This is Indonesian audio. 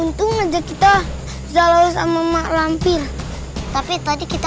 untung aja kita zalo sama maklum pir tapi tadi kita